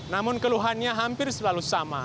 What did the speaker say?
namun keluhannya hampir selalu sama